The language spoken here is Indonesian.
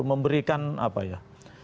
memberikan apa ya